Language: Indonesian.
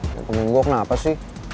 yang kemungkinan gue kenapa sih